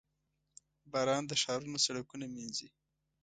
• باران د ښارونو سړکونه مینځي.